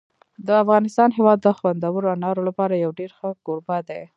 د افغانستان هېواد د خوندورو انارو لپاره یو ډېر ښه کوربه دی.